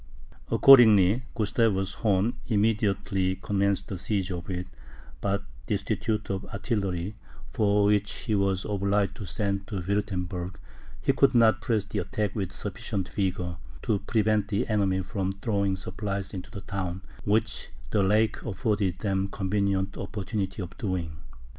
Accordingly, Gustavus Horn immediately commenced the siege of it; but destitute of artillery, for which he was obliged to send to Wirtemberg, he could not press the attack with sufficient vigour, to prevent the enemy from throwing supplies into the town, which the lake afforded them convenient opportunity of doing.